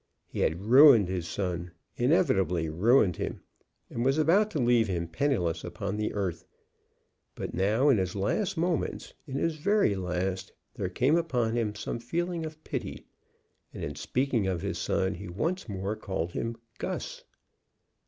He had ruined his son, inevitably ruined him, and was about to leave him penniless upon the earth. But now in his last moments, in his very last, there came upon him some feeling of pity, and in speaking of his son he once more called him "Gus."